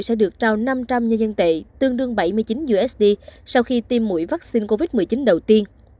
sẽ được trao năm trăm linh nhân dân tệ sau khi tiêm mũi vaccine covid một mươi chín đầu tiên